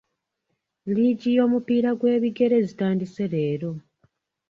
Liigi y'omupiira gw'ebigere zitandise leero.